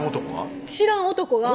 知らん男が？